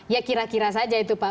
ya kira kira saja itu pak